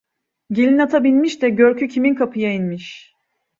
Gelin ata binmiş de, görkü kimin kapıya inmiş.